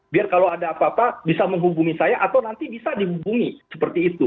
biar kalau ada apa apa bisa menghubungi saya atau nanti bisa dihubungi seperti itu